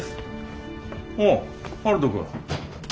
おう悠人君。